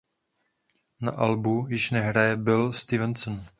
Na albu již nehraje Bill Stevenson.